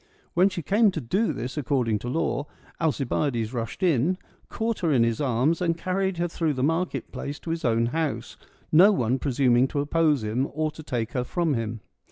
When she came to do this according to law, Alcibiades rushed in, caught her in his arms, and carried her through the market place to his own house, no one presuming to oppose him, or to take her from him.